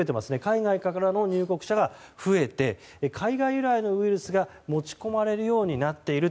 海外からの入国者が増えて海外由来のウイルスが持ち込まれるようになっている。